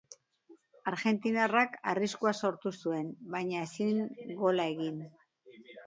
Argentinarrak arriskua sortu zuen, baina ezin gola egin.